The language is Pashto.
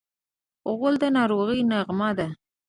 غول د ناروغۍ نغمه ده.